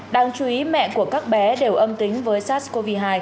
đáng chú ý mẹ của các bé đều âm tính với sars cov hai